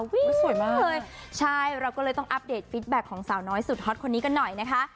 สวยมากเลยใช่เราก็เลยต้องอัปเดตฟิตแบ็คของสาวน้อยสุดฮอตคนนี้กันหน่อยนะคะ